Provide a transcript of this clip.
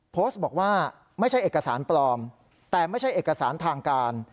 โพสต์บอกว่าไม่ใช่เอกสารปลอมแต่ไม่ใช่เอกสารทางการ